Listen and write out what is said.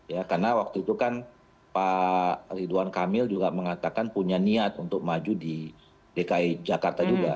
ya karena waktu itu kan pak ridwan kamil juga mengatakan punya niat untuk maju di dki jakarta juga